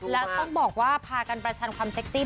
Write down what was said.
และต้องบอกว่าพากันประชันความเซ็กซี่